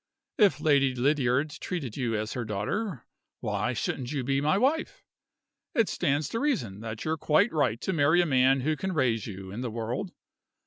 If Lady Lydiard treated you as her daughter, why shouldn't you be my wife? It stands to reason that you're quite right to marry a man who can raise you in the world.